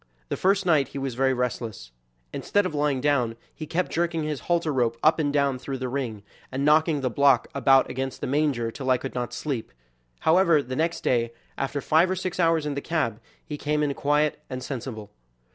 The first night he was very restless. Instead of lying down, he kept jerking his halter rope up and down through the ring, and knocking the block about against the manger till I could not sleep. However, the next day, after five or six hours in the cab, he came in quiet and sensible.